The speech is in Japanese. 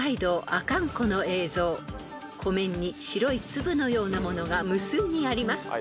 ［湖面に白い粒のようなものが無数にあります］